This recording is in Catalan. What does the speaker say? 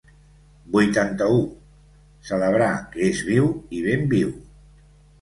Vuitanta-u celebrar que és viu i ben viu.